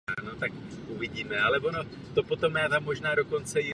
Vznikla tím největší realizovaná vila pozdního funkcionalismu v Čechách.